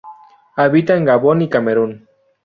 Habita en Gabón y Camerún.